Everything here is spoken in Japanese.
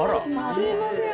すいません。